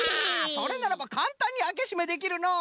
それならばかんたんにあけしめできるのう！